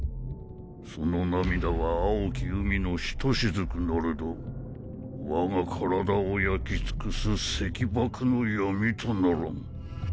その涙は蒼き宇宙の一雫なれど我が体を焼き尽くす寂寞の闇とならん。